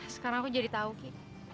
sekarang aku jadi tahu ki